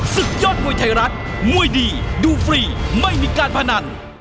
ศึกยอดมวยไทยรัฐมวยดีดูฟรีไม่มีการพนัน